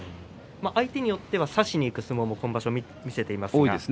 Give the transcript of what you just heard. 相手によっては差しにいく相撲も今場所、見せています。